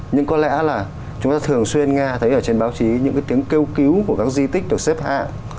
nhưng có lẽ là chúng ta thường xuyên nghe thấy ở trên báo chí những cái tiếng kêu cứu của các di tích được xếp hạng